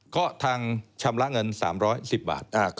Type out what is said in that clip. ก็ทางชำระเงิน๓๑๐บาท